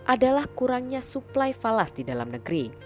adalah kurangnya suplai falas di dalam negeri